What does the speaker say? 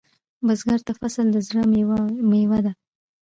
بزګر ته فصل د زړۀ میوه ده